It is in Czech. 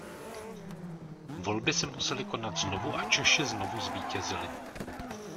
Volby se musely konat znovu a Češi znovu zvítězili.